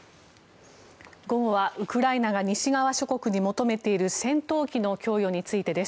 午後はウクライナが西側諸国に求めている戦闘機の供与についてです。